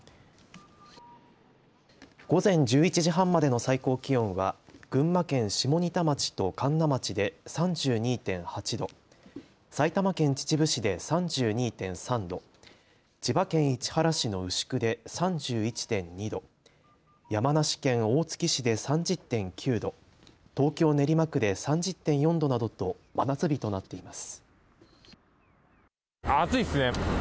午前１１時半までの最高気温は群馬県下仁田町と神流町で３２．８度埼玉県秩父市で３２．３度千葉県市原市の牛久で３１．２度山梨県大月市で３０．９度東京練馬区で３０．４度などと真夏日となっています。